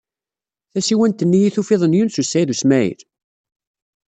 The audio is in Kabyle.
Tasiwant-nni i tufiḍ, n Yunes u Saɛid u Smaɛil?